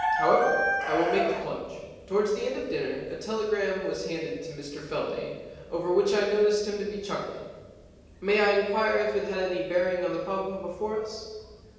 However, I will make the plunge. Towards the end of dinner a telegram was handed to Mr Feldane over which I noticed him to be chuckling. May I inquire if it had any bearing on the problem before us